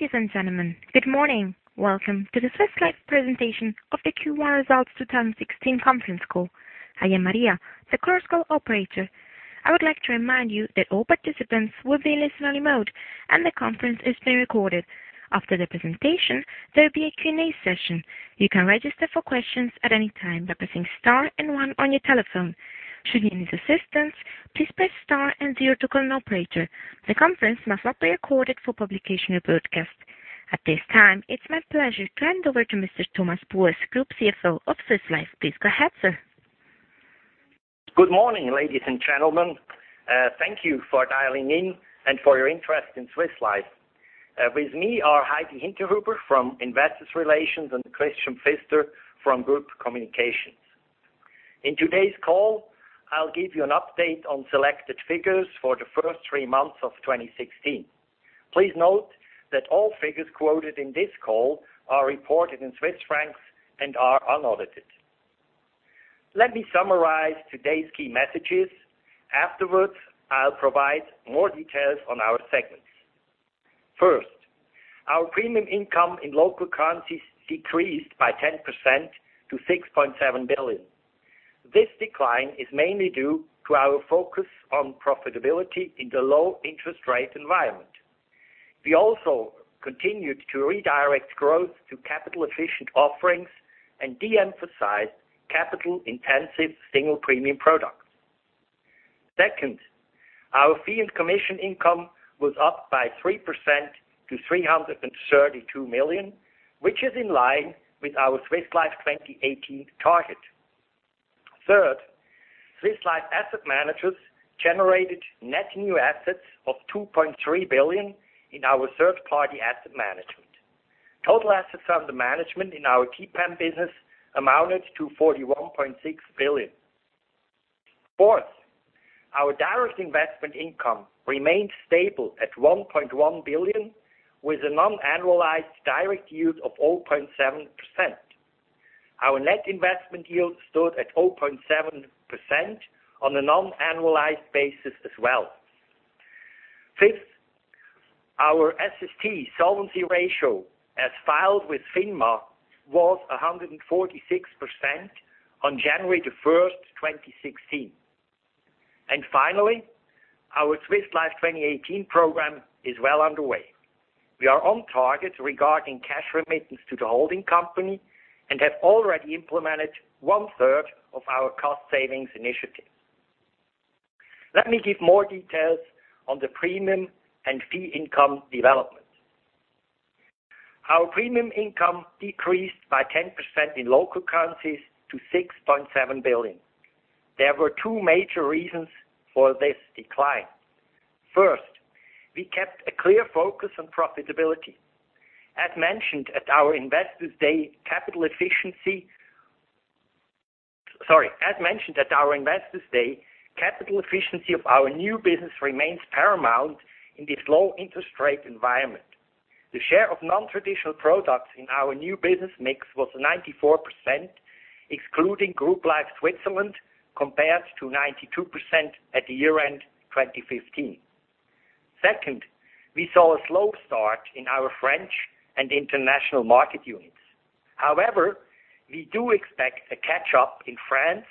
Ladies and gentlemen, good morning. Welcome to the Swiss Life presentation of the Q1 Results 2016 conference call. I am Maria, the Chorus Call operator. I would like to remind you that all participants will be in listen-only mode, and the conference is being recorded. After the presentation, there will be a Q&A session. You can register for questions at any time by pressing star and one on your telephone. Should you need assistance, please press star and zero to call an operator. The conference must not be recorded for publication or broadcast. At this time, it's my pleasure to hand over to Mr. Thomas Buess, Group CFO of Swiss Life. Please go ahead, sir. Good morning, ladies and gentlemen. Thank you for dialing in and for your interest in Swiss Life. With me are Heidi Hinterhuber from Investor Relations and Christian Pfister from Group Communications. In today's call, I'll give you an update on selected figures for the first three months of 2016. Please note that all figures quoted in this call are reported in Swiss francs and are unaudited. Let me summarize today's key messages. Afterwards, I'll provide more details on our segments. First, our premium income in local currencies decreased by 10% to 6.7 billion. This decline is mainly due to our focus on profitability in the low interest rate environment. We also continued to redirect growth to capital-efficient offerings and de-emphasized capital-intensive single premium products. Second, our fee and commission income was up by 3% to 332 million, which is in line with our Swiss Life 2018 target. Third, Swiss Life Asset Managers generated net new assets of 2.3 billion in our third-party asset management. Total assets under management in our key plan business amounted to 41.6 billion. Fourth, our direct investment income remained stable at 1.1 billion, with a non-annualized direct yield of 0.7%. Our net investment yield stood at 0.7% on a non-annualized basis as well. Finally, our SST solvency ratio, as filed with FINMA, was 146% on January 1st, 2016. Our Swiss Life 2018 program is well underway. We are on target regarding cash remittance to the holding company and have already implemented one-third of our cost savings initiative. Let me give more details on the premium and fee income development. Our premium income decreased by 10% in local currencies to 6.7 billion. There were two major reasons for this decline. First, we kept a clear focus on profitability. As mentioned at our Investor Day, capital efficiency of our new business remains paramount in this low interest rate environment. The share of non-traditional products in our new business mix was 94%, excluding Group Life Switzerland, compared to 92% at the year-end 2015. Second, we saw a slow start in our French and international market units. However, we do expect a catch-up in France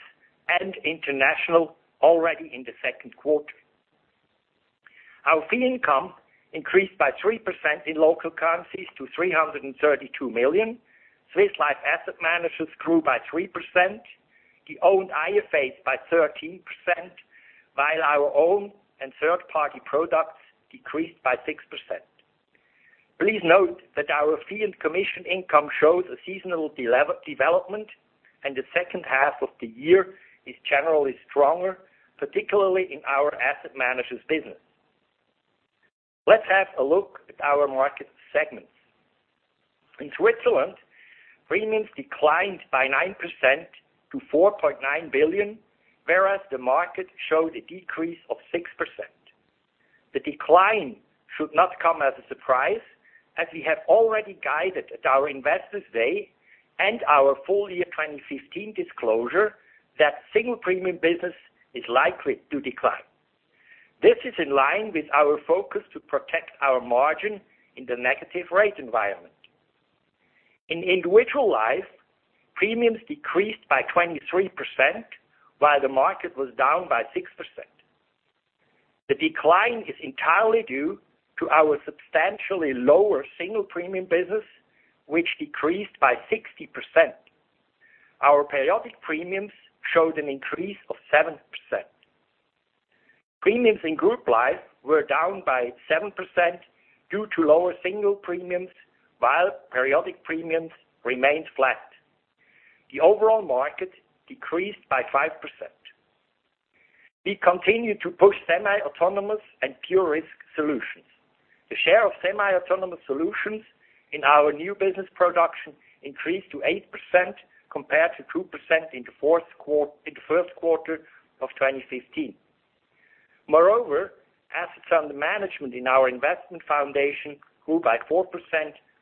and international already in the second quarter. Our fee income increased by 3% in local currencies to 332 million. Swiss Life Asset Managers grew by 3%, the owned IFAs by 13%, while our own and third-party products decreased by 6%. Please note that our fee and commission income shows a seasonal development, and the second half of the year is generally stronger, particularly in our Asset Managers business. Let's have a look at our market segments. In Switzerland, premiums declined by 9% to 4.9 billion, whereas the market showed a decrease of 6%. The decline should not come as a surprise, as we have already guided at our Investors Day and our full year 2015 disclosure that single premium business is likely to decline. This is in line with our focus to protect our margin in the negative rate environment. In individual life, premiums decreased by 23%, while the market was down by 6%. The decline is entirely due to our substantially lower single premium business, which decreased by 60%. Our periodic premiums showed an increase of 7%. Premiums in Group Life were down by 7% due to lower single premiums, while periodic premiums remained flat. The overall market decreased by 5%. We continue to push semi-autonomous and pure risk solutions. The share of semi-autonomous solutions in our new business production increased to 8%, compared to 2% in the first quarter of 2015. Moreover, assets under management in our investment foundation grew by 4%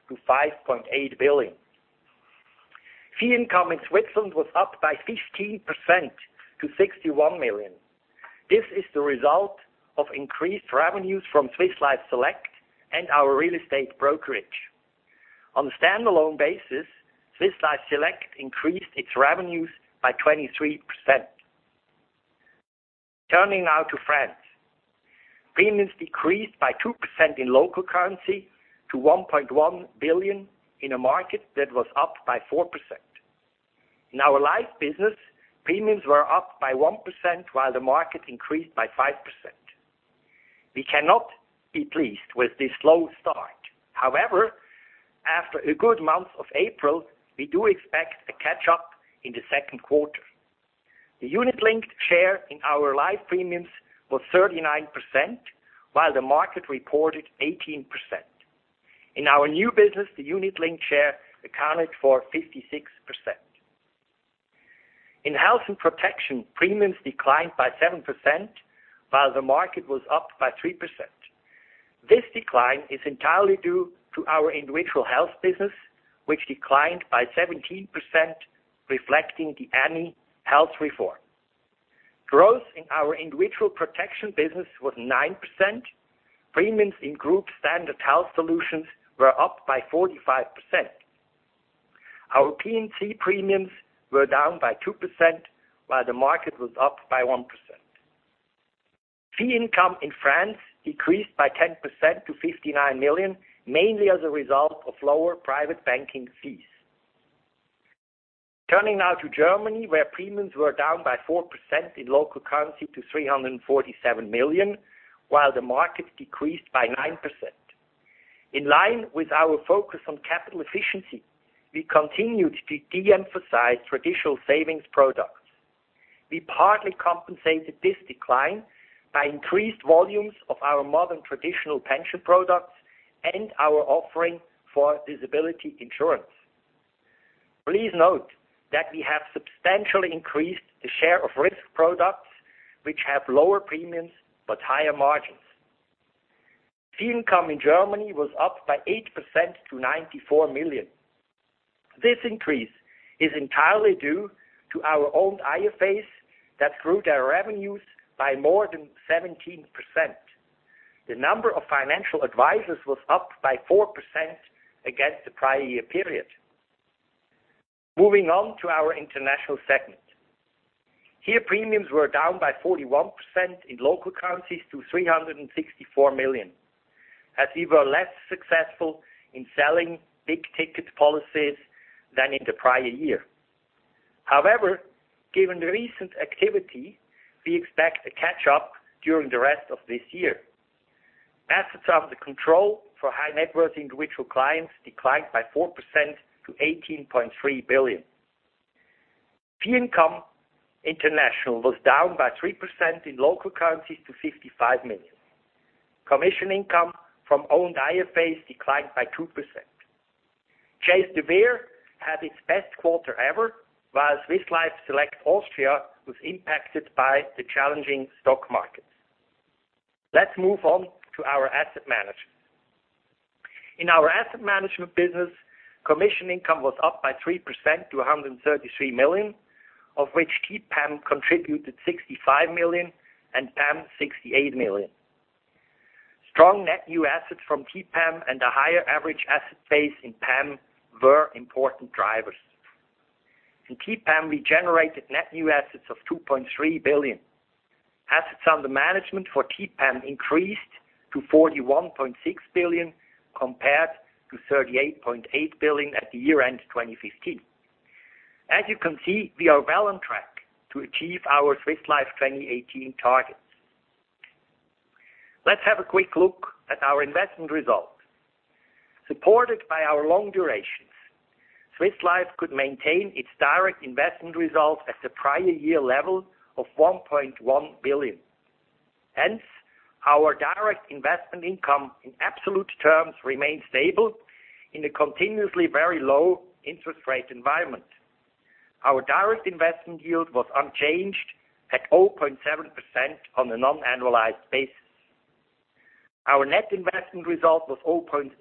to 5.8 billion. Fee income in Switzerland was up by 15% to 61 million. This is the result of increased revenues from Swiss Life Select and our real estate brokerage. On a standalone basis, Swiss Life Select increased its revenues by 23%. Turning now to France. Premiums decreased by 2% in local currency to 1.1 billion in a market that was up by 4%. In our life business, premiums were up by 1%, while the market increased by 5%. We cannot be pleased with this slow start. However, after a good month of April, we do expect a catch-up in the second quarter. The unit-linked share in our life premiums was 39%, while the market reported 18%. In our new business, the unit-linked share accounted for 56%. In health and protection, premiums declined by 7%, while the market was up by 3%. This decline is entirely due to our individual health business, which declined by 17%, reflecting the LAMal health reform. Growth in our individual protection business was 9%. Premiums in group standard health solutions were up by 45%. Our P&C premiums were down by 2%, while the market was up by 1%. Fee income in France decreased by 10% to 59 million, mainly as a result of lower private banking fees. Turning now to Germany, where premiums were down by 4% in local currency to 347 million, while the market decreased by 9%. In line with our focus on capital efficiency, we continued to de-emphasize traditional savings products. We partly compensated this decline by increased volumes of our modern traditional pension products and our offering for disability insurance. Please note that we have substantially increased the share of risk products, which have lower premiums but higher margins. Fee income in Germany was up by 8% to 94 million. This increase is entirely due to our own IFAs that grew their revenues by more than 17%. The number of financial advisors was up by 4% against the prior year period. Moving on to our international segment. Here, premiums were down by 41% in local currencies to 364 million, as we were less successful in selling big-ticket policies than in the prior year. However, given the recent activity, we expect a catch-up during the rest of this year. Assets under control for high-net-worth individual clients declined by 4% to 18.3 billion. Fee income international was down by 3% in local currencies to 55 million. Commission income from owned IFAs declined by 2%. Chase de Vere had its best quarter ever, while Swiss Life Select Austria was impacted by the challenging stock market. Let's move on to our asset management. In our asset management business, commission income was up by 3% to 133 million, of which TPAM contributed 65 million and PAM 68 million. Strong net new assets from TPAM and a higher average asset base in PAM were important drivers. In TPAM, we generated net new assets of 2.3 billion. Assets under management for TPAM increased to 41.6 billion, compared to 38.8 billion at the year-end 2015. As you can see, we are well on track to achieve our Swiss Life 2018 targets. Let's have a quick look at our investment results. Supported by our long durations, Swiss Life could maintain its direct investment results at the prior year level of 1.1 billion. Our direct investment income in absolute terms remained stable in a continuously very low interest rate environment. Our direct investment yield was unchanged at 0.7% on a non-annualized basis. Our net investment result was 0.7%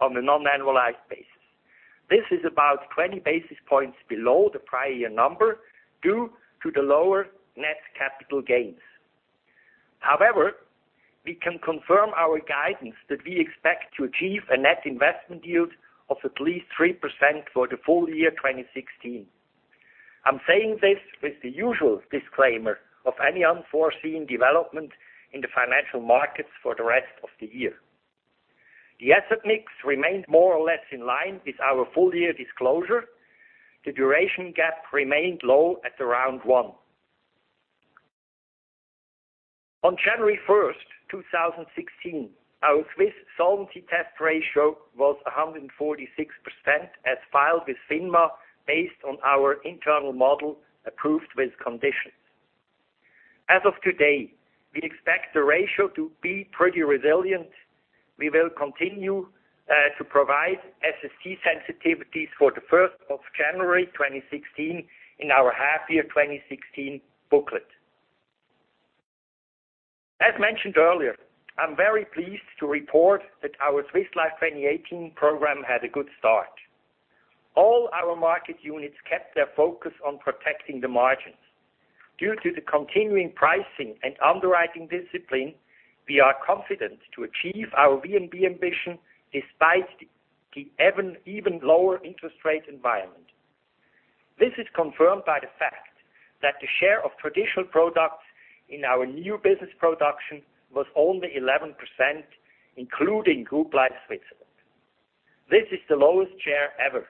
on a non-annualized basis. This is about 20 basis points below the prior year number due to the lower net capital gains. We can confirm our guidance that we expect to achieve a net investment yield of at least 3% for the full year 2016. I'm saying this with the usual disclaimer of any unforeseen development in the financial markets for the rest of the year. The asset mix remained more or less in line with our full year disclosure. The duration gap remained low at around one. On January 1st, 2016, our Swiss Solvency Test ratio was 146%, as filed with FINMA, based on our internal model approved with conditions. As of today, we expect the ratio to be pretty resilient. We will continue to provide SST sensitivities for the 1st of January 2016 in our half year 2016 booklet. As mentioned earlier, I'm very pleased to report that our Swiss Life 2018 program had a good start. All our market units kept their focus on protecting the margins. Due to the continuing pricing and underwriting discipline, we are confident to achieve our VNB ambition despite the even lower interest rate environment. This is confirmed by the fact that the share of traditional products in our new business production was only 11%, including Group Life Switzerland. This is the lowest share ever.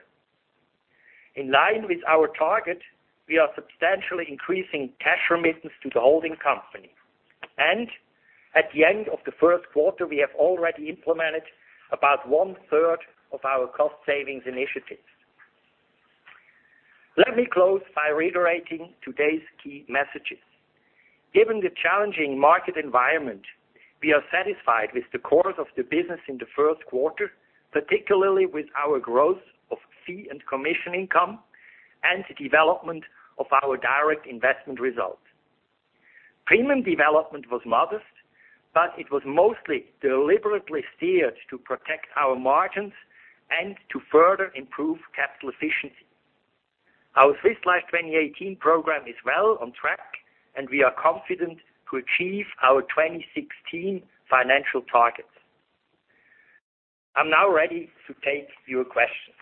In line with our target, we are substantially increasing cash remittance to the holding company. At the end of the first quarter, we have already implemented about one-third of our cost savings initiatives. Let me close by reiterating today's key messages. Given the challenging market environment, we are satisfied with the course of the business in the first quarter, particularly with our growth of fee and commission income and the development of our direct investment results. Premium development was modest, but it was mostly deliberately steered to protect our margins and to further improve capital efficiency. Our Swiss Life 2018 program is well on track, and we are confident to achieve our 2016 financial targets. I'm now ready to take your questions.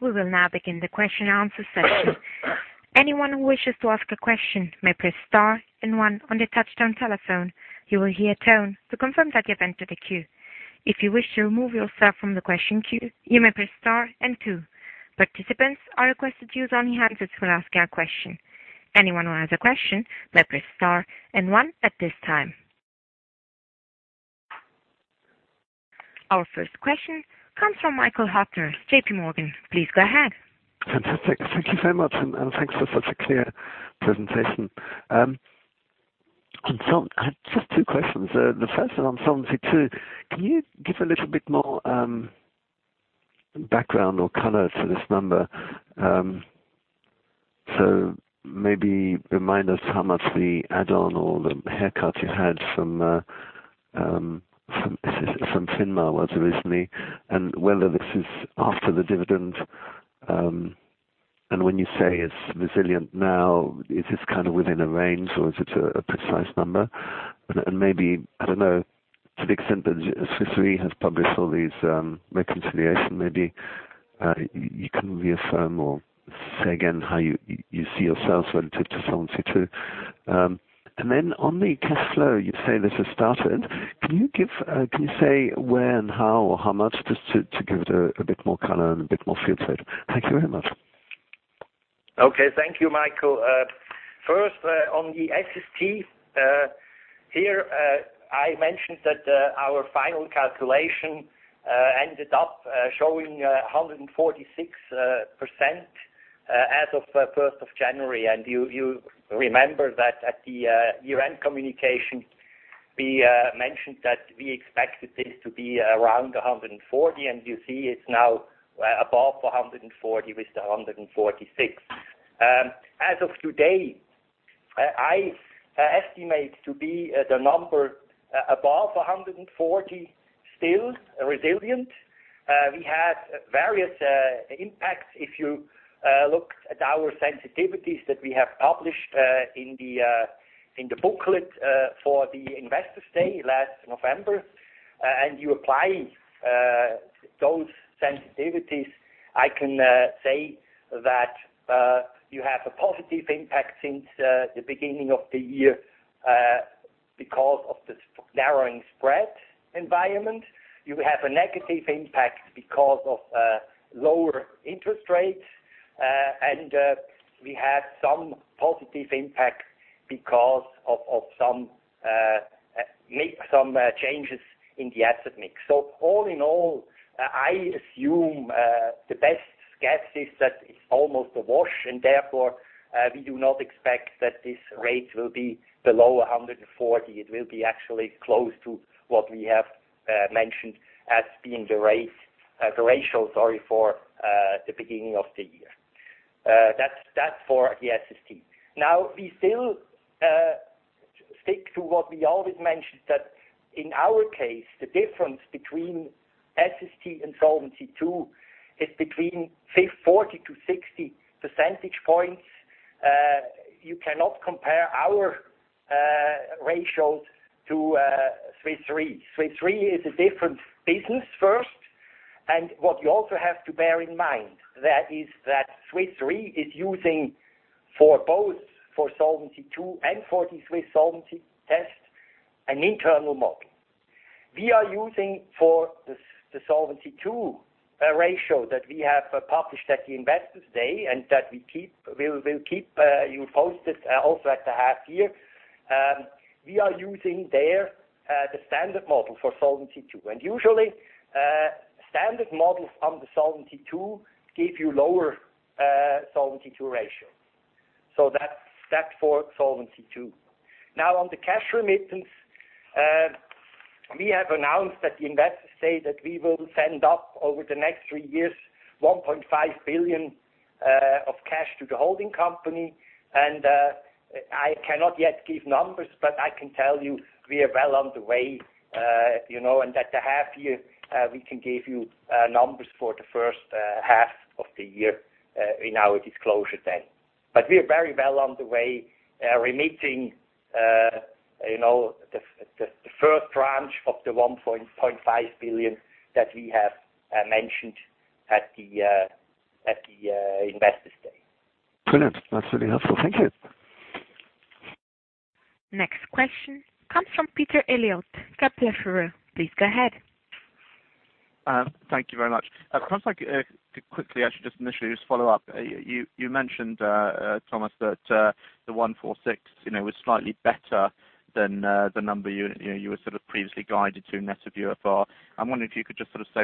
We will now begin the question and answer session. Anyone who wishes to ask a question may press star and one on their touch-tone telephone. You will hear a tone to confirm that you have entered the queue. If you wish to remove yourself from the question queue, you may press star and two. Participants are requested to use only handsets when asking a question. Anyone who has a question may press star and one at this time. Our first question comes from Michael Huttner, J.P. Morgan. Please go ahead. Fantastic. Thank you so much, and thanks for such a clear presentation. I had just two questions. The first on Solvency II. Can you give a little bit more background or color to this number? Maybe remind us how much the add-on or the haircut you had from FINMA was originally, and whether this is after the dividend. When you say it's resilient now, is this kind of within a range, or is it a precise number? Maybe, I don't know, to the extent that Swiss Re has published all these reconciliation, maybe you can reaffirm or say again how you see yourselves relative to Solvency II. Then on the cash flow, you say this has started. Can you say where and how or how much, just to give it a bit more color and a bit more feel for it? Thank you very much. Okay. Thank you, Michael. First, on the SST. Here, I mentioned that our final calculation ended up showing 146% as of the first of January. You remember that at the year-end communication, we mentioned that we expected this to be around 140, and you see it's now above 140 with the 146. As of today, I estimate to be the number above 140 still resilient. We had various impacts. If you looked at our sensitivities that we have published in the booklet for the Investor Day last November, and you apply those sensitivities, I can say that you have a positive impact since the beginning of the year because of the narrowing spread environment. You have a negative impact because of lower interest rates. We have some positive impact because of some changes in the asset mix. All in all, I assume the best guess is that it's almost a wash, therefore, we do not expect that this rate will be below 140. It will be actually close to what we have mentioned as being the ratio for the beginning of the year. That's for the SST. We still stick to what we always mentioned, that in our case, the difference between SST and Solvency II is between 40 to 60 percentage points. You cannot compare our ratios to Swiss Re. Swiss Re is a different business first. What you also have to bear in mind there is that Swiss Re is using for both for Solvency II and for the Swiss Solvency Test, an internal model. We are using for the Solvency II ratio that we have published at the Investors Day and that we'll keep you posted also at the half year. We are using there the standard model for Solvency II. Usually, standard models under Solvency II give you lower Solvency II ratio. That's for Solvency II. Now on the cash remittance. We have announced at the Investors Day that we will send up over the next three years, 1.5 billion of cash to the holding company. I cannot yet give numbers, but I can tell you we are well on the way, and at the half year, we can give you numbers for the first half of the year in our disclosure then. We are very well on the way remitting the first tranche of the 1.5 billion that we have mentioned at the Investors Day. Brilliant. That's really helpful. Thank you. Next question comes from Peter Eliot, Capital Group. Please go ahead. Thank you very much. Perhaps I could quickly actually just initially just follow up. You mentioned, Thomas, that the 1.46 was slightly better than the number you were sort of previously guided to net of UFR. I'm wondering if you could just sort of say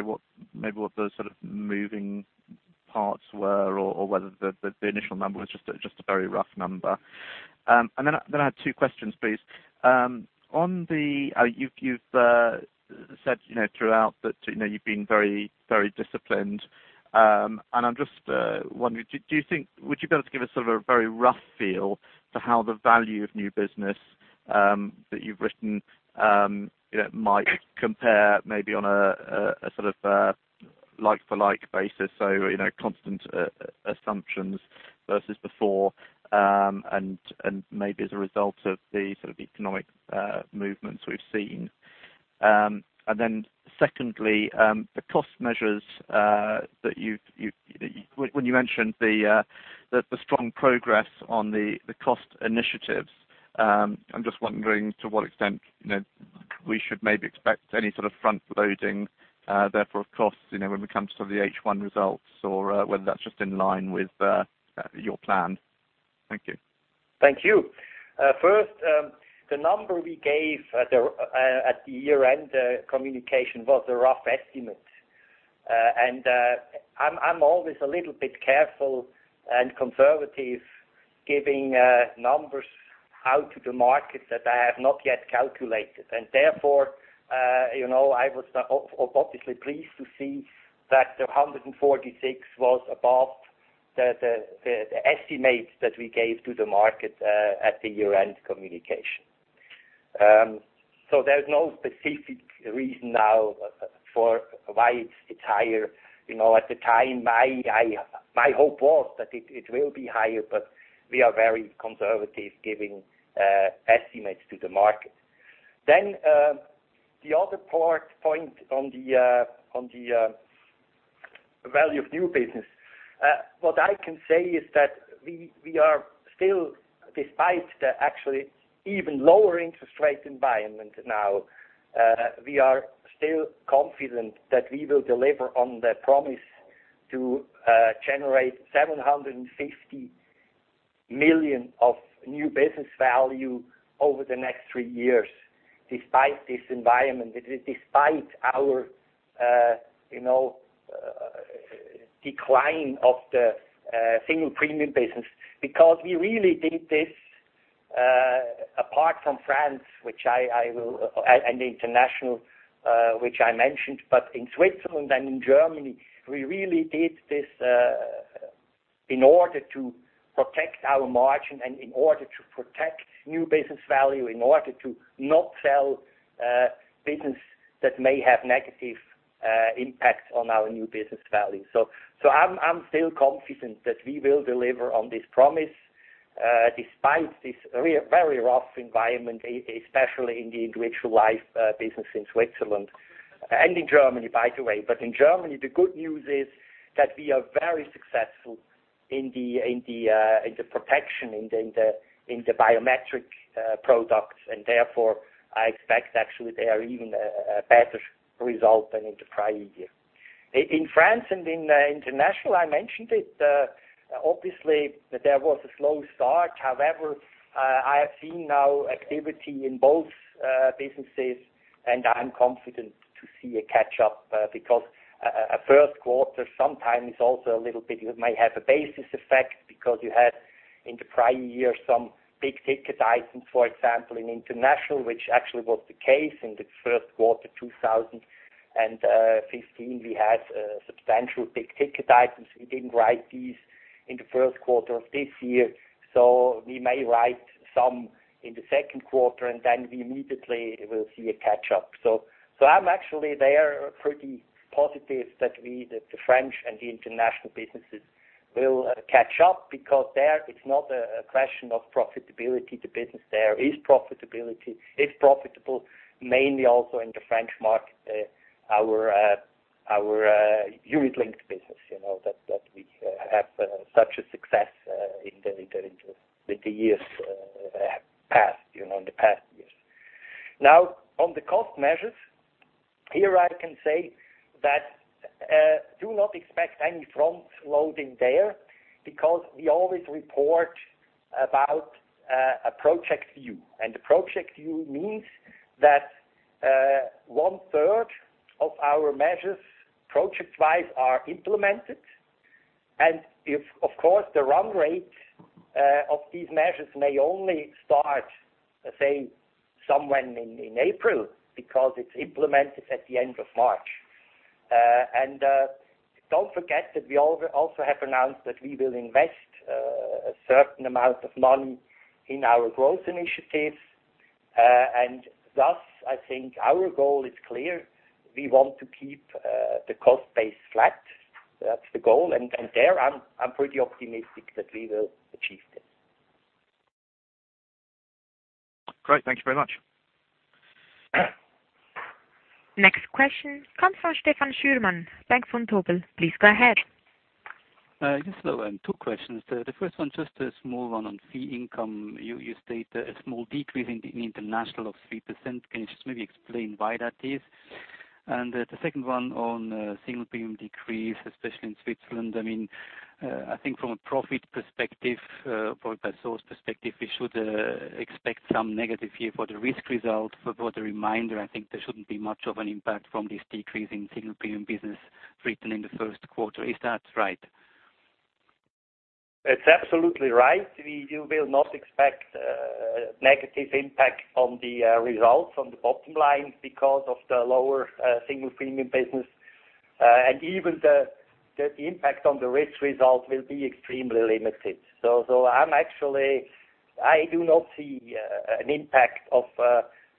maybe what the sort of moving parts were or whether the initial number was just a very rough number. Then I had two questions, please. You've said throughout that you've been very disciplined. I'm just wondering, would you be able to give us sort of a very rough feel for how the value of new business that you've written might compare maybe on a sort of like-for-like basis, so constant assumptions versus before, and maybe as a result of the sort of economic movements we've seen? Secondly, the cost measures, when you mentioned the strong progress on the cost initiatives, I'm just wondering to what extent we should maybe expect any sort of frontloading, therefore, of costs when it comes to the H1 results or whether that's just in line with your plan. Thank you. Thank you. First, the number we gave at the year-end communication was a rough estimate. I'm always a little bit careful and conservative giving numbers out to the market that I have not yet calculated. Therefore, I was obviously pleased to see that the 146 was above the estimates that we gave to the market at the year-end communication. There's no specific reason now for why it's higher. At the time, my hope was that it will be higher, but we are very conservative giving estimates to the market. The other point on the value of new business. What I can say is that despite the actually even lower interest rate environment now, we are still confident that we will deliver on the promise to generate 750 million of new business value over the next three years, despite this environment. It is despite our decline of the single premium business, because we really did this apart from France and the international, which I mentioned. In Switzerland and in Germany, we really did this in order to protect our margin and in order to protect new business value, in order to not sell business that may have negative impacts on our new business value. I'm still confident that we will deliver on this promise despite this very rough environment, especially in the individual life business in Switzerland and in Germany, by the way. In Germany, the good news is that we are very successful in the protection in the biometric products, and therefore, I expect actually there even a better result than in the prior year. In France and in international, I mentioned it, obviously there was a slow start. However, I have seen now activity in both businesses, and I'm confident to see a catch-up because a first quarter sometimes also a little bit might have a basis effect because you had in the prior year some big-ticket items, for example, in international, which actually was the case in the first quarter 2015. We had substantial big-ticket items. We didn't write these in the first quarter of this year, so we may write some in the second quarter, and then we immediately will see a catch-up. I'm actually there pretty positive that the French and the international businesses will catch up because there it's not a question of profitability. The business there is profitable, mainly also in the French market, our unit-linked business that we have such a success with the years in the past years. Now on the cost measures, here I can say that do not expect any front loading there because we always report about a project view. The project view means that one-third of our measures project-wise are implemented If, of course, the run rate of these measures may only start, say, somewhere in April, because it is implemented at the end of March. Do not forget that we also have announced that we will invest a certain amount of money in our growth initiatives. Thus, I think our goal is clear. We want to keep the cost base flat. That's the goal. There, I am pretty optimistic that we will achieve this. Great. Thank you very much. Next question comes from Stefan Schürmann, Bank Vontobel. Please go ahead. Yes. Hello. Two questions. The first one, just a small one on fee income. You state a small decrease in international of 3%. Can you just maybe explain why that is? The second one on single premium decrease, especially in Switzerland. I think from a profit perspective, profit by source perspective, we should expect some negative view for the risk result. As a reminder, I think there should not be much of an impact from this decrease in single premium business written in the first quarter. Is that right? It's absolutely right. You will not expect a negative impact on the results on the bottom line because of the lower single premium business. Even the impact on the risk result will be extremely limited. I do not see an impact of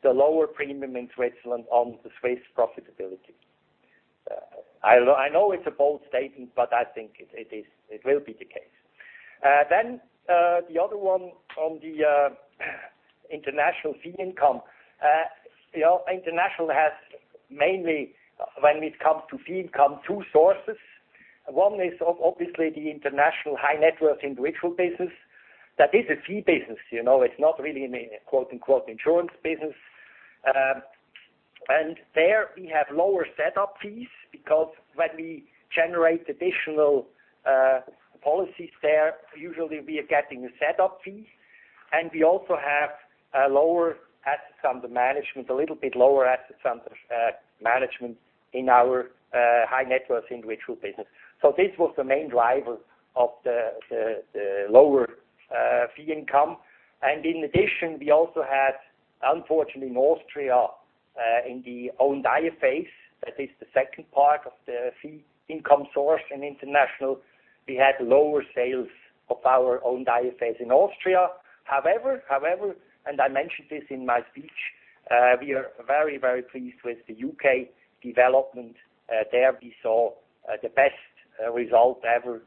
the lower premium in Switzerland on the Swiss profitability. I know it's a bold statement, but I think it will be the case. The other one on the international fee income. International has mainly, when it comes to fee income, two sources. One is obviously the international high net worth individual business. That is a fee business. It's not really a quote-unquote, insurance business. There we have lower setup fees because when we generate additional policies there, usually we are getting a set of fees. We also have a little bit lower assets under management in our high net worth individual business. This was the main driver of the lower fee income. In addition, we also had, unfortunately, in Austria, in the own IFAs, that is the second part of the fee income source in international, we had lower sales of our own IFAs in Austria. However, I mentioned this in my speech, we are very, very pleased with the U.K. development. There we saw the best result ever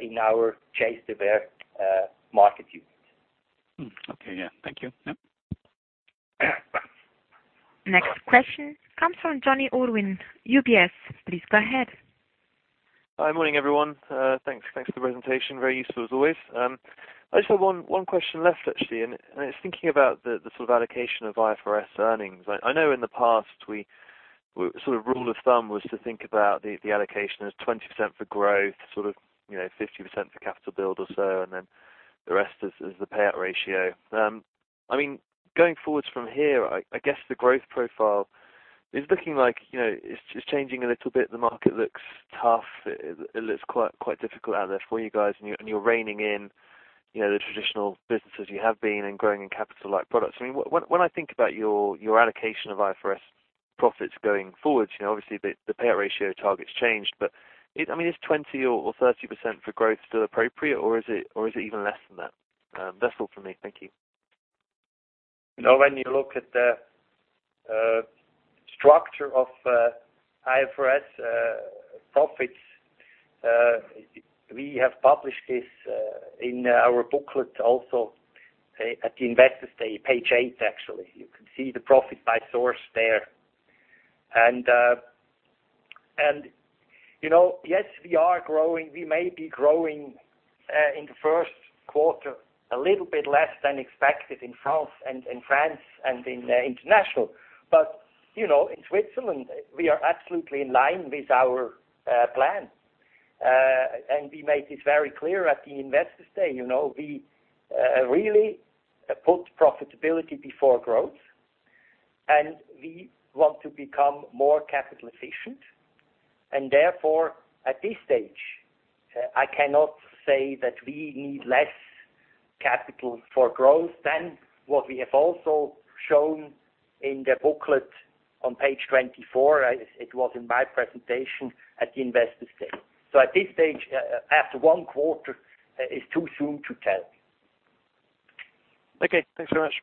in our Chase de Vere market unit. Okay. Yeah. Thank you. Yep. Next question comes from Jonny Urwin, UBS. Please go ahead. Hi. Morning, everyone. Thanks for the presentation. Very useful as always. I just have one question left, actually, and it is thinking about the sort of allocation of IFRS earnings. I know in the past, rule of thumb was to think about the allocation as 20% for growth, 50% for capital build or so, and then the rest is the payout ratio. Going forwards from here, I guess the growth profile is looking like it is changing a little bit. The market looks tough. It looks quite difficult out there for you guys, and you are reigning in the traditional businesses you have been and growing in capital-light products. When I think about your allocation of IFRS profits going forward, obviously the payout ratio target has changed, but is 20% or 30% for growth still appropriate, or is it even less than that? That is all from me. Thank you. When you look at the structure of IFRS profits, we have published this in our booklet also at the Investors Day, page eight, actually. You can see the profit by source there. Yes, we are growing. We may be growing in the first quarter a little bit less than expected in France and in international. In Switzerland, we are absolutely in line with our plan. We made this very clear at the Investors Day. We really put profitability before growth, and we want to become more capital efficient. Therefore, at this stage, I cannot say that we need less capital for growth than what we have also shown in the booklet on page 24. It was in my presentation at the Investors Day. At this stage, after one quarter, it is too soon to tell. Okay. Thanks very much.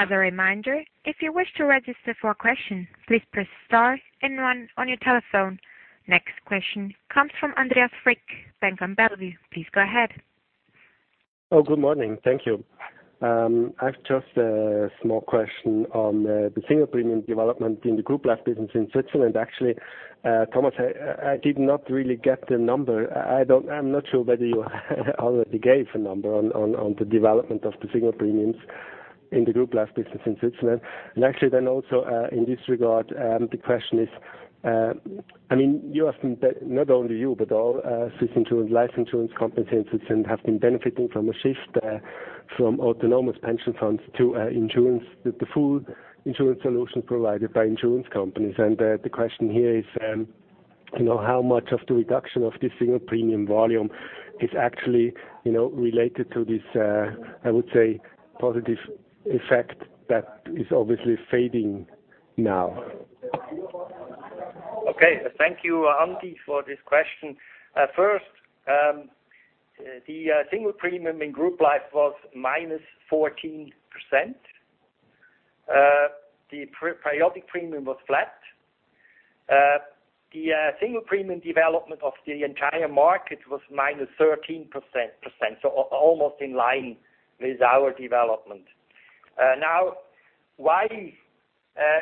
As a reminder, if you wish to register for a question, please press star and one on your telephone. Next question comes from André Frick, Bank Vontobel. Please go ahead. Good morning. Thank you. I've just a small question on the single premium development in the Group Life business in Switzerland. Actually, Thomas, I did not really get the number. I'm not sure whether you already gave a number on the development of the single premiums in the Group Life business in Switzerland. Actually, then also in this regard, the question is, you have, not only you, but all life insurance companies in Switzerland have been benefiting from a shift from autonomous pension funds to insurance, the full insurance solution provided by insurance companies. The question here is, how much of the reduction of this single premium volume is actually related to this, I would say positive effect that is obviously fading now? Okay. Thank you, Andy, for this question. First, the single premium in Group Life was -14%. The periodic premium was flat. The single premium development of the entire market was -13%, so almost in line with our development. Why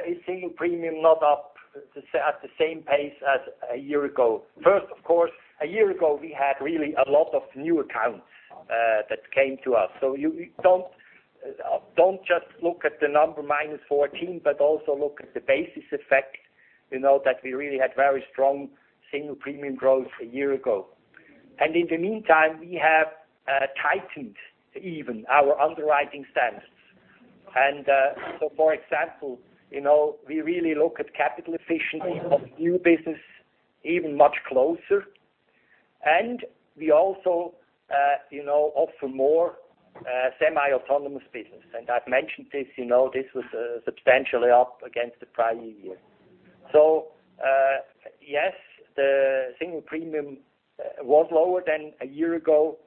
is single premium not up at the same pace as a year ago? First, of course, a year ago, we had really a lot of new accounts that came to us. You don't just look at the number -14, but also look at the basis effect, that we really had very strong single premium growth a year ago. In the meantime, we have tightened even our underwriting standards. For example, we really look at capital efficiency of new business even much closer. We also offer more semi-autonomous business. I've mentioned this was substantially up against the prior year. Yes, the single premium was lower than a year ago,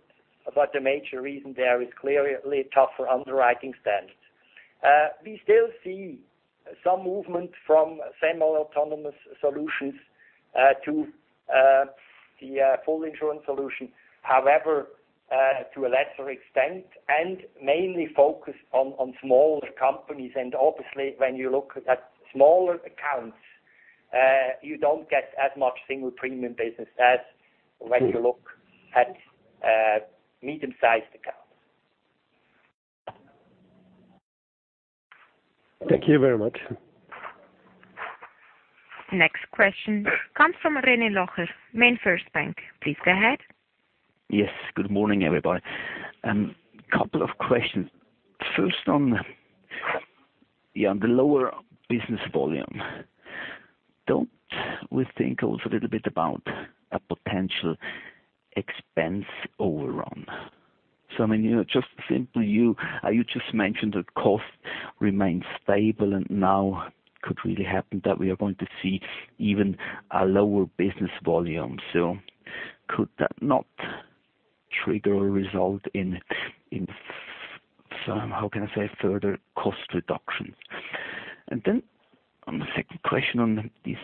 but the major reason there is clearly tougher underwriting standards. We still see some movement from semi-autonomous solutions to the full insurance solution. However, to a lesser extent and mainly focused on smaller companies. Obviously, when you look at smaller accounts, you don't get as much single premium business as when you look at medium-sized accounts. Thank you very much. Next question comes from René Locher, MainFirst Bank. Please go ahead. Yes. Good morning, everybody. Couple of questions. First on the lower business volume. Don't we think also a little bit about a potential expense overrun? I mean, just simply you just mentioned that cost remains stable and now could really happen that we are going to see even a lower business volume. Could that not trigger a result in, how can I say, further cost reduction? On the second question on this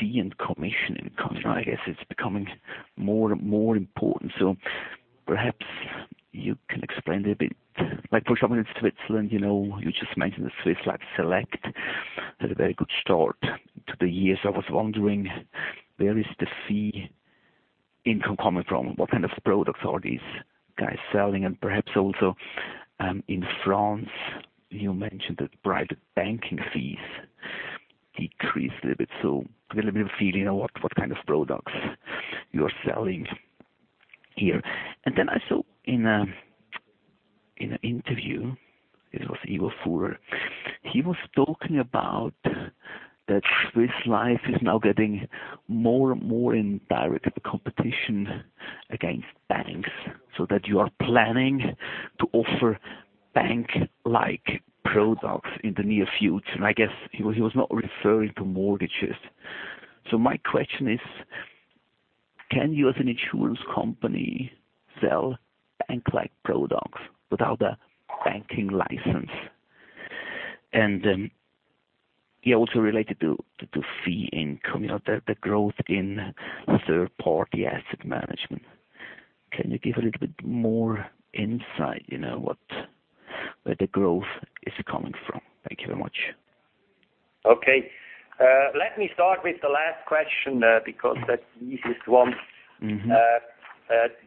fee and commission income, I guess it's becoming more and more important. Perhaps you can explain it a bit. Like for someone in Switzerland, you just mentioned the Swiss Life Select had a very good start to the year. I was wondering, where is the fee income coming from? What kind of products are these guys selling? Perhaps also in France, you mentioned that private banking fees decreased a little bit. A little bit of a feel in on what kind of products you're selling here. I saw in an interview, it was Ivo Furrer. He was talking about that Swiss Life is now getting more and more in direct competition against banks, that you are planning to offer bank-like products in the near future. I guess he was not referring to mortgages. My question is, can you as an insurance company sell bank-like products without a banking license? Also related to fee income, the growth in third-party asset management. Can you give a little bit more insight, where the growth is coming from? Thank you very much. Okay. Let me start with the last question because that's the easiest one.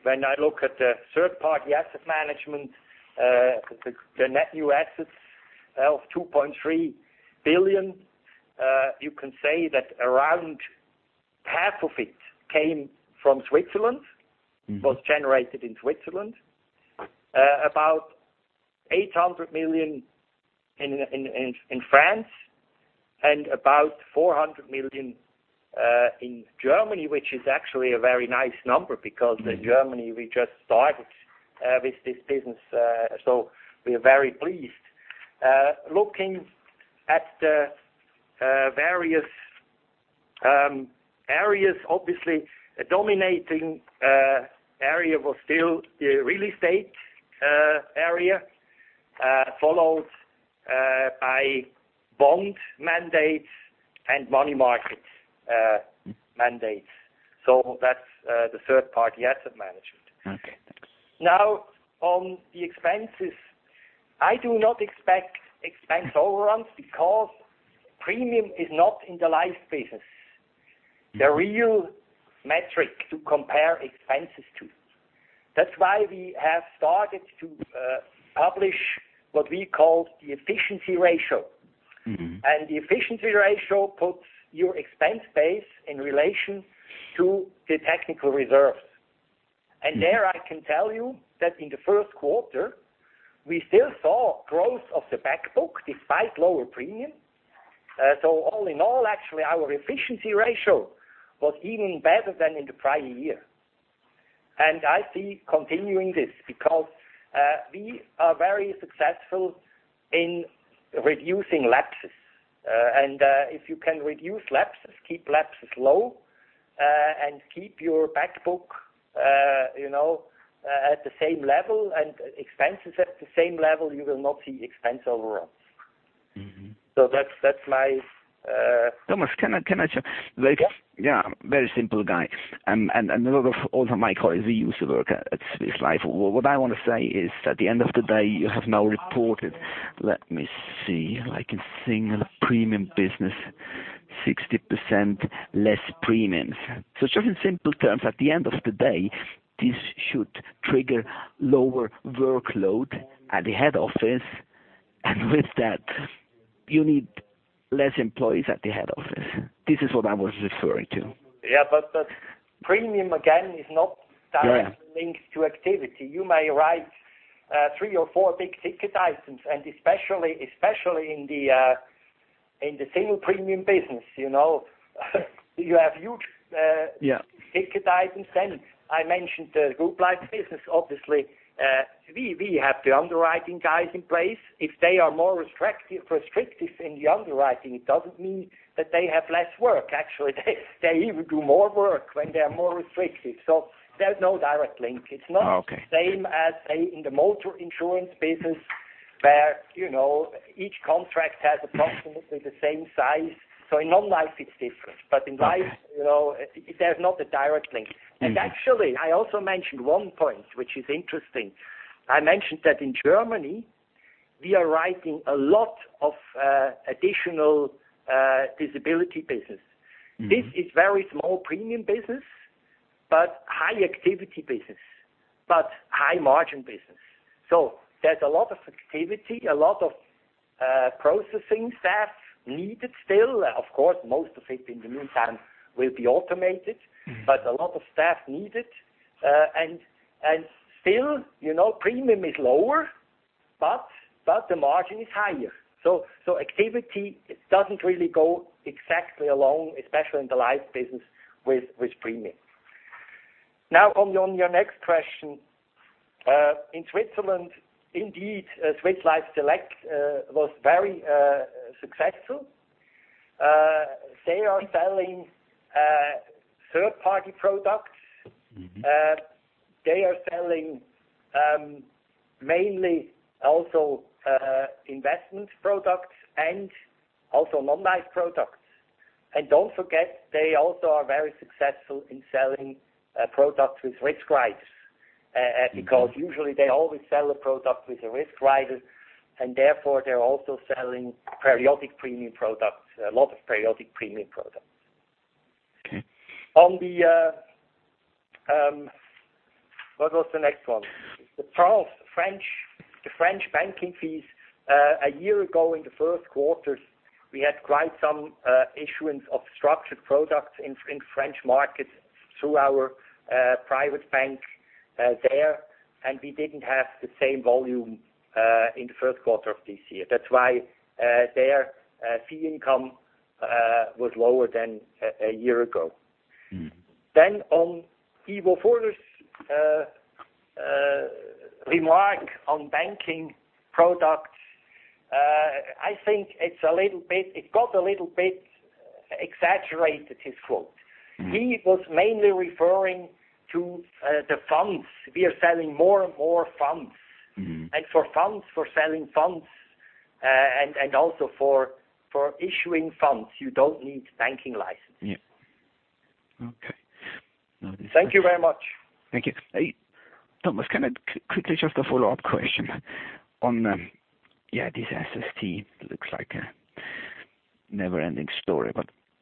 When I look at the Third-Party Asset Management, the net new assets of 2.3 billion, you can say that around half of it came from Switzerland. Was generated in Switzerland. About 800 million in France and about 400 million in Germany, which is actually a very nice number because in Germany, we just started with this business. We are very pleased. Looking at the various areas, obviously, dominating area was still real estate area, followed by bond mandates and money market mandates. That's the Third-Party Asset Management. Okay, thanks. Now on the expenses. I do not expect expense overruns because premium is not in the life business. The real metric to compare expenses to. That's why we have started to publish what we call the efficiency ratio. The efficiency ratio puts your expense base in relation to the technical reserves. There I can tell you that in the first quarter, we still saw growth of the back book despite lower premium. All in all, actually, our efficiency ratio was even better than in the prior year. I see continuing this because we are very successful in reducing lapses. If you can reduce lapses, keep lapses low, and keep your back book at the same level and expenses at the same level, you will not see expense overruns. So that's my. Thomas, can I chip? Yes. Yeah. Very simple guy, and also Michael, he used to work at Swiss Life. What I want to say is, at the end of the day, you have now reported, let me see, like in single premium business, 60% less premiums. Just in simple terms, at the end of the day, this should trigger lower workload at the head office. With that, you need less employees at the head office. This is what I was referring to. Yeah. Premium again is not directly- Yeah linked to activity. You may write three or four big-ticket items, and especially in the single premium business, you have huge- Yeah ticket items. I mentioned the Group Life business. Obviously, we have the underwriting guys in place. If they are more restrictive in the underwriting, it doesn't mean that they have less work. Actually, they even do more work when they are more restrictive. There's no direct link. It's not- Okay same as in the motor insurance business where each contract has approximately the same size. In non-life, it's different. In life- Okay there's not a direct link. Actually, I also mentioned one point, which is interesting. I mentioned that in Germany, we are writing a lot of additional disability business. This is very small premium business, but high activity business, but high margin business. There's a lot of activity, a lot of processing staff needed still. Of course, most of it in the meantime will be automated. A lot of staff needed. Still premium is lower, but the margin is higher. Activity doesn't really go exactly along, especially in the life business, with premiums. On your next question. In Switzerland, indeed, Swiss Life Select was very successful. They are selling third-party products. They are selling mainly also investment products and also non-life products. Don't forget, they also are very successful in selling products with risk riders. Because usually they always sell a product with a risk rider, and therefore they're also selling periodic premium products, a lot of periodic premium products. Okay. What was the next one? The French banking fees. A year ago in the first quarters, we had quite some issuance of structured products in French markets through our private bank there, and we didn't have the same volume in the first quarter of this year. Their fee income was lower than a year ago. On Ivo Furrer's remark on banking products, I think it got a little bit exaggerated, his quote. He was mainly referring to the funds. We are selling more and more funds. For selling funds, and also for issuing funds, you don't need banking license. Yeah. Okay. Thank you very much. Thank you. Thomas, can I quickly just a follow-up question on this SST.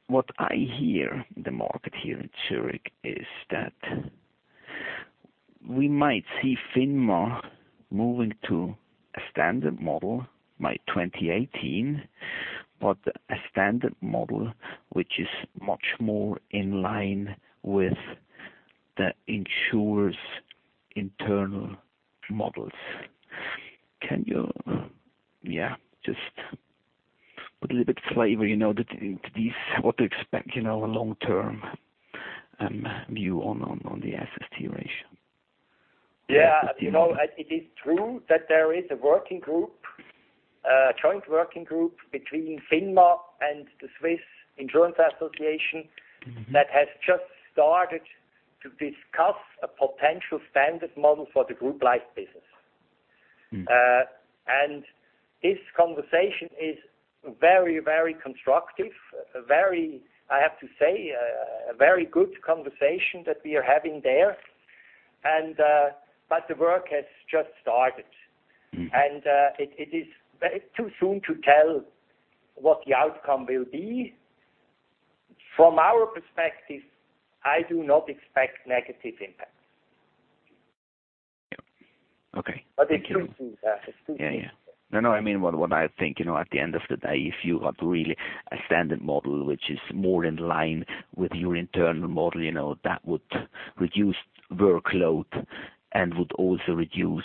What I hear in the market here in Zurich is that we might see FINMA moving to a standard model by 2018. A standard model which is much more in line with the insurer's internal models. Can you just put a little bit flavor into this, what to expect, a long-term view on the SST ratio perspective? It is true that there is a working group, a joint working group between FINMA and the Swiss Insurance Association- that has just started to discuss a potential standard model for the Group Life business. This conversation is very constructive. I have to say, a very good conversation that we are having there. The work has just started. It is too soon to tell what the outcome will be. From our perspective, I do not expect negative impacts. Okay. Thank you. It could be. Yeah. At the end of the day, if you have really a standard model which is more in line with your internal model, that would reduce workload and would also reduce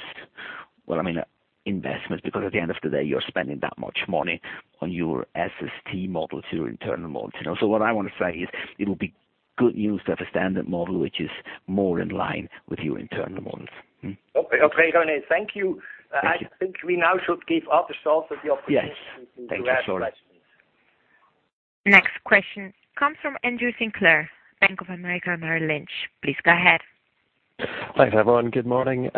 investments, because at the end of the day, you're spending that much money on your SST model to your internal models. What I want to say is it'll be good news to have a standard model which is more in line with your internal models. Okay, got it. Thank you. Thank you. I think we now should give other shareholders the opportunity- Yes. Thank you so much to ask questions. Next question comes from Andrew Sinclair, Bank of America Merrill Lynch. Please go ahead. Thanks, everyone. Good morning.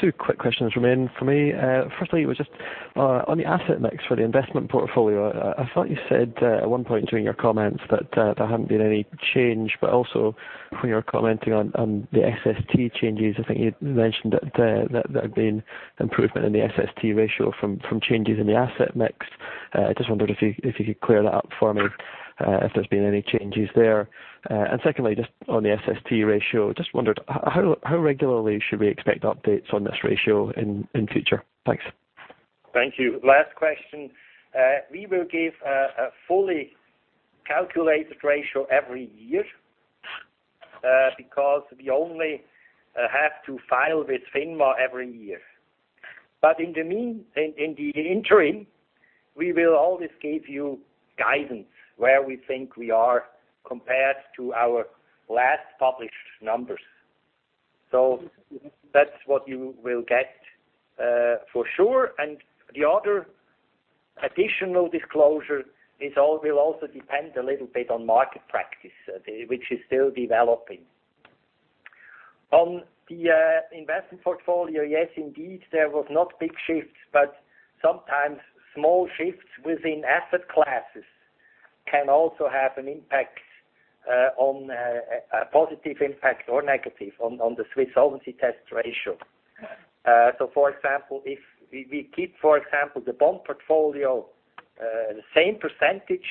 Two quick questions remain for me. Firstly, it was just on the asset mix for the investment portfolio. I thought you said at one point during your comments that there hadn't been any change, but also when you were commenting on the SST changes, I think you mentioned that there had been improvement in the SST ratio from changes in the asset mix. I just wondered if you could clear that up for me, if there's been any changes there. Secondly, just on the SST ratio, just wondered how regularly should we expect updates on this ratio in future? Thanks. Thank you. Last question. We will give a fully calculated ratio every year, because we only have to file with FINMA every year. In the interim, we will always give you guidance where we think we are compared to our last published numbers. That's what you will get for sure. The other additional disclosure will also depend a little bit on market practice, which is still developing. On the investment portfolio, yes, indeed, there was not big shifts, but sometimes small shifts within asset classes can also have a positive impact or negative on the Swiss Solvency Test ratio. For example, if we keep, for example, the bond portfolio, the same percentage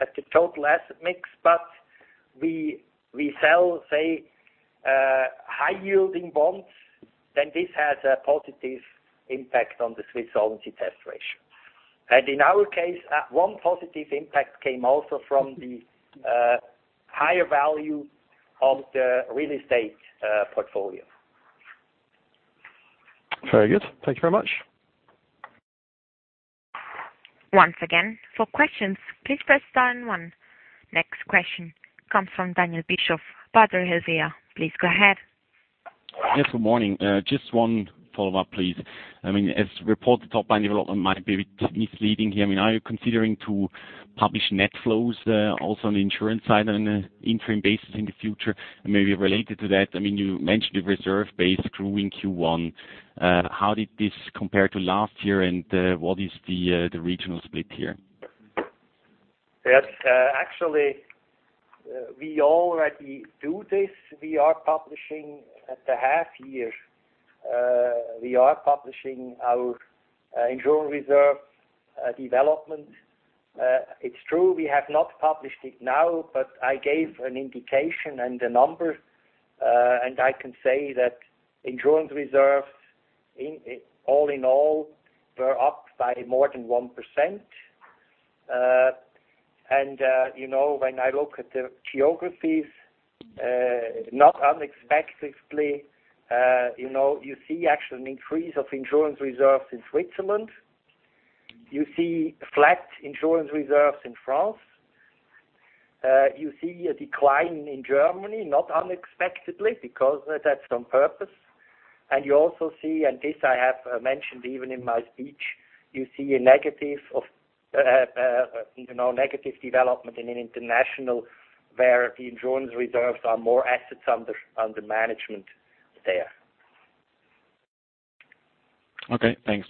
as the total asset mix, but we sell, say, high-yielding bonds, then this has a positive impact on the Swiss Solvency Test ratio. In our case, one positive impact came also from the higher value of the real estate portfolio. Very good. Thank you very much. Once again, for questions, please press star and one. Next question comes from Daniel Bischof, Baader Helvea. Please go ahead. Yes, good morning. Just one follow-up, please. As reported, top-line development might be a bit misleading here. Are you considering to publish net flows also on the insurance side on an interim basis in the future? Maybe related to that, you mentioned the reserve base grew in Q1. How did this compare to last year, and what is the regional split here? Yes. Actually, we already do this. We are publishing at the half year. We are publishing our insurance reserve development. It's true we have not published it now, but I gave an indication and a number, and I can say that insurance reserves, all in all, were up by more than 1%. When I look at the geographies, not unexpectedly, you see actually an increase of insurance reserves in Switzerland. You see flat insurance reserves in France. You see a decline in Germany, not unexpectedly, because that's on purpose. You also see, and this I have mentioned even in my speech, you see a negative development in international where the insurance reserves are more assets under management there. Okay, thanks.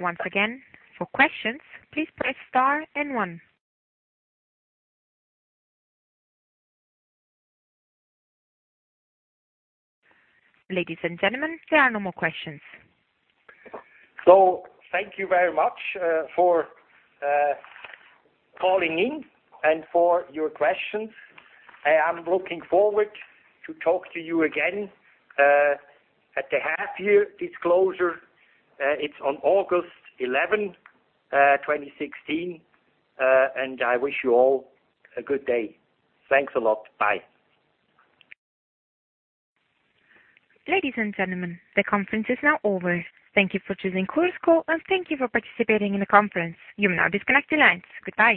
Once again, for questions, please press star and one. Ladies and gentlemen, there are no more questions. Thank you very much for calling in and for your questions. I am looking forward to talk to you again at the half year disclosure. It's on August 11, 2016. I wish you all a good day. Thanks a lot. Bye. Ladies and gentlemen, the conference is now over. Thank you for choosing Chorus Call, and thank you for participating in the conference. You may now disconnect your lines. Goodbye.